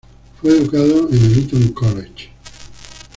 Fue educado en el Eton College.